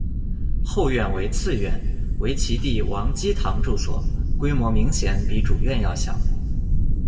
后院为次院为其弟王跻堂住所，规模明显比主院要小。